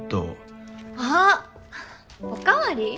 あぁ！お代わり？